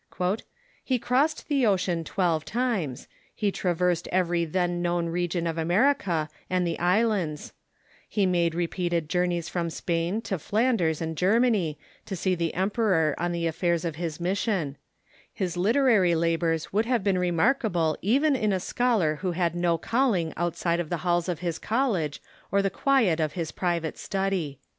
" He crossed the ocean twelve times ; he traA'ersed every then known region of America and the isl ands ; he made rej^eated journeys from Spain to Flanders and Germany, to see the emperor on the affairs of his mission ; his literary labors would have been remarkable even in a scholar who had no calling outside of the halls of his college or the quiet of his private study."